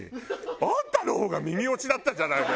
あんたの方が耳推しだったじゃないのよ！